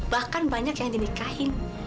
bahkan banyak yang dinikahin